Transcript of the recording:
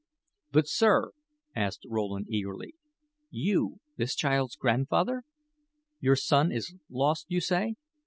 "But, sir," asked Rowland, eagerly; "you this child's grandfather? Your son is lost, you say?